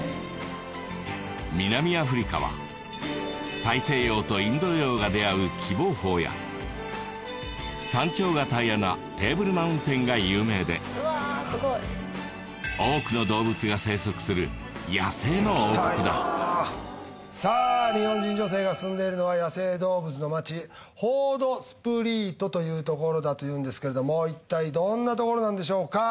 南アフリカは大西洋とインド洋が出会う喜望峰や山頂が平らなテーブルマウンテンが有名でうわーすごい多くの動物が生息するさあ日本人女性が住んでるのは野生動物の町ホードスプリートというところだというんですけれどもいったいどんなところなんでしょうか？